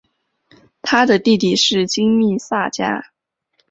他的弟弟是金密萨加。